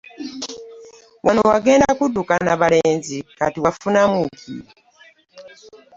Wano wagenda kudduka na balenzi kati wafunamu ki?